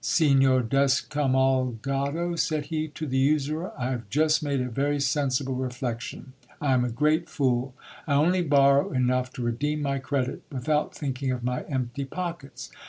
<>Signor Descomulgado^said he to the usurer,* 1 ! have just j msde a very sensible reflection : I am a great fool. I only borrow enough to I receem my credit, without thinking of my empty pockets.